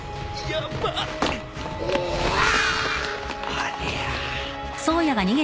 ありゃ。